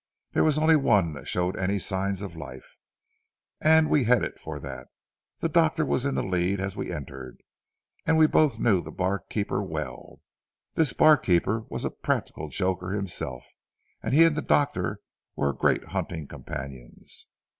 There was only one that showed any signs of life, and we headed for that. The doctor was in the lead as we entered, and we both knew the barkeeper well. This barkeeper was a practical joker himself, and he and the doctor were great hunting companions.